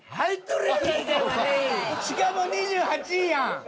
しかも２８位やん。